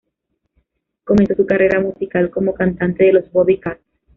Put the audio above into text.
Comenzó su carrera musical como cantante de Los Bobby Cats.